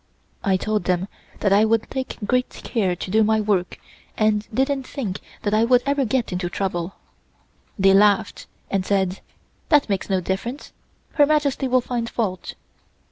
I told them that I would take great care to do my work and didn't think that I would ever get into trouble. They laughed and said: "That makes no difference. Her Majesty will find fault."